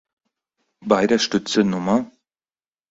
Bei der Stütze Nr.